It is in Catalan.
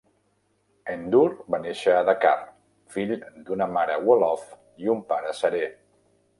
N'Dour va néixer a Dakar, fill d'una mare wolof i un pare serer.